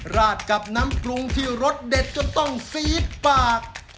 ราดกับน้ำปรุงที่รสเด็ดจนต้องซี๊ดปาก